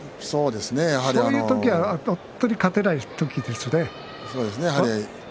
そういう時は本当に勝てない時ですね。